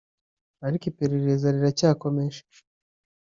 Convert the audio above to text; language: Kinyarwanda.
ariko iperereza riracyakomeje